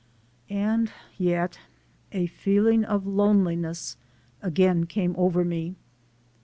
And yet a feeling of loneliness again came over me.